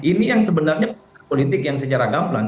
ini yang sebenarnya politik yang secara gamblang